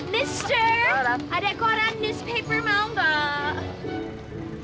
mister ada koran newspaper mau mbak